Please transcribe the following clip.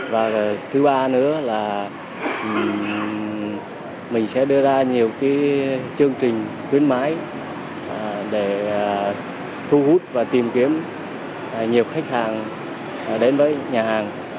và thứ ba nữa là mình sẽ đưa ra nhiều chương trình khuyến mãi để thu hút và tìm kiếm nhiều khách hàng đến với nhà hàng